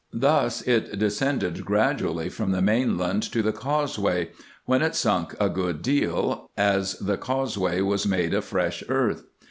Thus it descended gradually from the main land to the causeway, when it sunk a good deal, as the causeway was made of fresh earth.